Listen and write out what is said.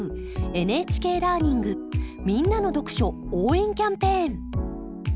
「ＮＨＫラーニングみんなの読書応援キャンペーン」。